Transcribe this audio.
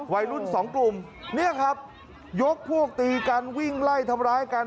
วัยรุ่นสองกลุ่มเนี่ยครับยกพวกตีกันวิ่งไล่ทำร้ายกัน